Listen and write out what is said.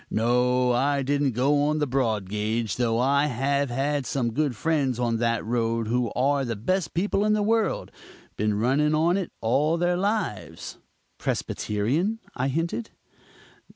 No, I didn't go on the broad gauge, though I have some good friends on that road who are the best people in the world. Been running on it all their lives." "Presbyterian?" I hinted.